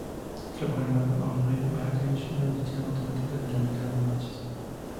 Trabajó al lado Audrey Bates, una licenciado en matemáticas de la Universidad de Mánchester.